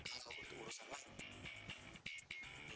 di youtube ada banyak video yang di upload